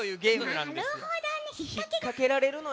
なるほどね。